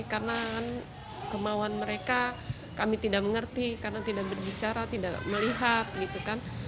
karena kemauan mereka kami tidak mengerti karena tidak berbicara tidak melihat gitu kan